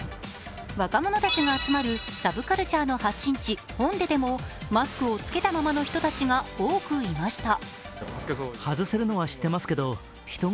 若者たちが集まるサブカルチャーの発信地、ホンデでもマスクを着けたままの人たちが多くいました。